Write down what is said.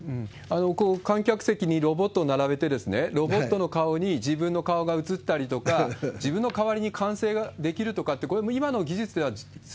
観客席にロボットを並べて、ロボットの顔に自分の顔が映ったりとか、自分の代わりに観戦ができるとかって、これ、もう今の技術ではす